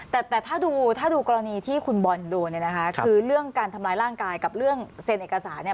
แต่แต่ถ้าดูถ้าดูกรณีที่คุณบอลโดนเนี่ยนะคะคือเรื่องการทำร้ายร่างกายกับเรื่องเซ็นเอกสารเนี่ย